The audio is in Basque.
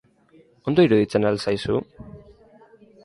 Ondo iruditzen al zaizu?